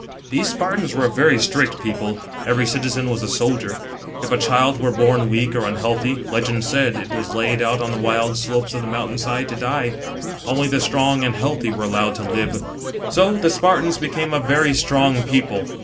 These Spartans were a very strict people, every citizen was a soldier. If a child were born weak or unhealthy, legend said, it was laid out on the wild slopes of .the mountain side to die. Only the strong and healthy were allowed to live. So the Spartans became a very strong people.